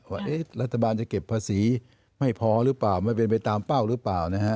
ว่ารัฐบาลจะเก็บภาษีไม่พอหรือเปล่าไม่เป็นไปตามเป้าหรือเปล่านะฮะ